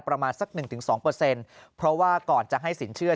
ประมาณสัก๑๒เปอร์เซ็นต์เพราะว่าก่อนจะให้สินเชื่อ